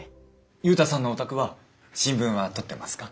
ユウタさんのお宅は新聞は取ってますか？